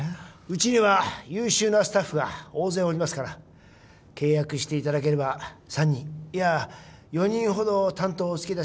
うちには優秀なスタッフが大勢おりますから契約していただければ３人いや４人ほど担当をおつけいたしましょう。